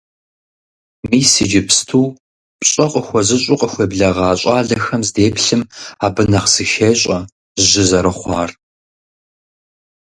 Мис иджыпсту, пщӀэ къыхуэзыщӀу къыхуеблэгъа щӀалэхэм здеплъым, абы нэхъ зыхещӀэ жьы зэрыхъуар.